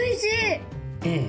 うん！